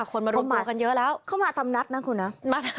คนมารวมตัวกันเยอะแล้วเข้ามาตามนัดนะคุณนะ